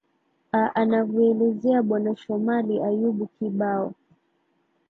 a anavyoelezea bwana shomali ayub kibao